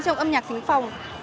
trong âm nhạc tính phòng